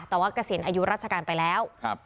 แต่ว่าเกษียณอายุราชการไปแล้ว